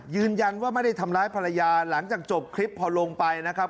ยืนยันว่าไม่ได้ทำร้ายภรรยาหลังจากจบคลิปพอลงไปนะครับ